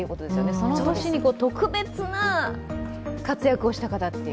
その年に特別な活躍をした方という。